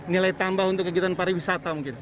nilai tambah untuk kegiatan pariwisata mungkin